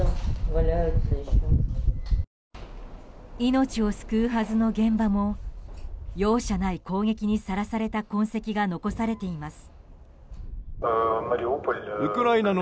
命を救うはずの現場も容赦ない攻撃にさらされた痕跡が残されています。